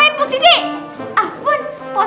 mp sensi kenapa